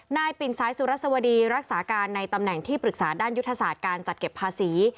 ปิ่นสายสุรสวดีรักษาการในตำแหน่งที่ปรึกษาด้านยุทธศาสตร์การจัดเก็บภาษี